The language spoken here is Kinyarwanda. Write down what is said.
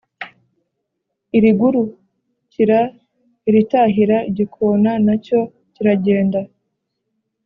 irigurukira iritahira igikona na cyo kiragenda